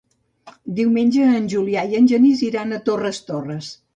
Diumenge en Julià i en Genís iran a Torres Torres.